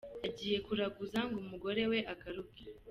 Yagiye kuraguza ngo umugore we agaruke.